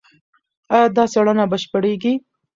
ایا دا څېړنه بشپړېږي؟